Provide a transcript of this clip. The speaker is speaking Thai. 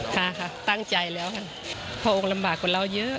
ค่ะบัชค่ะต้องนะค่ะ